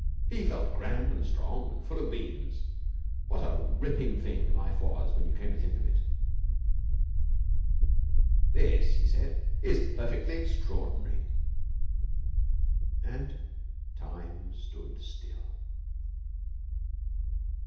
He felt grand and strong and full of beans. What a ripping thing life was when you came to think of it. 'This,' he said, 'is perfectly extraordinary!' And time stood still.